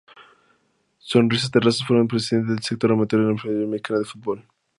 Soria Terrazas fue presidente del sector amateur de la Federación Mexicana de Fútbol.